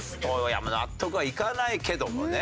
まあ納得はいかないけどもね。